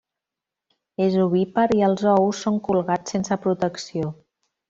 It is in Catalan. És ovípar i els ous són colgats sense protecció.